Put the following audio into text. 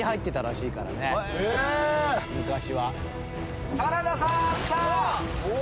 昔は。